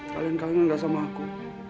kalian kalian gak sama aku